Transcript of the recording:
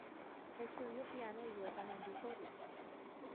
Estudió piano y órgano en Vitoria.